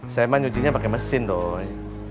saya emang nyucinya pake mesin doi